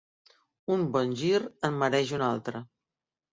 Un bon gir en mereix un altre